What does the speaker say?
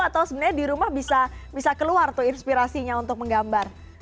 atau sebenarnya di rumah bisa keluar tuh inspirasinya untuk menggambar